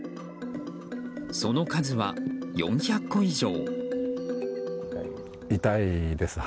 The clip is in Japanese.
その数は４００個以上。